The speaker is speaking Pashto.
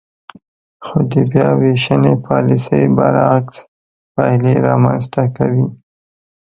خو د بیاوېشنې پالیسۍ برعکس پایلې رامنځ ته کوي.